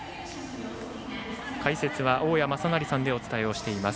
解説は大矢正成さんでお伝えしています。